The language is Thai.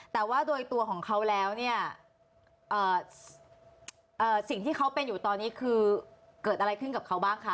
แต่ว่าโดยตัวของเขาแล้วเนี่ยสิ่งที่เขาเป็นอยู่ตอนนี้คือเกิดอะไรขึ้นกับเขาบ้างคะ